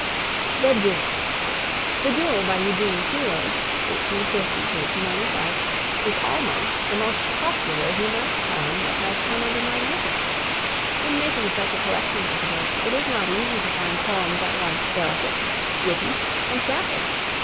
THE DUEL. "The Duel," by Eugene Field (1850 95), is almost the most popular humorous poem that has come under my notice. In making such a collection as this it is not easy to find poems at once delicate, witty, and graphic.